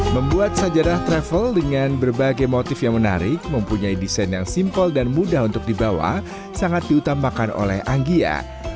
membuat sajadah travel dengan berbagai motif yang menarik mempunyai desain yang simpel dan mudah untuk dibawa sangat diutamakan oleh anggia